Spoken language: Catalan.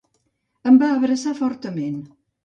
Em va abraçar fortament.